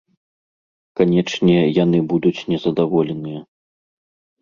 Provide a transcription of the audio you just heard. Канечне, яны будуць незадаволеныя.